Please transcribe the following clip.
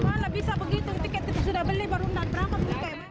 malah bisa begitu tiket itu sudah beli baru undang berangkat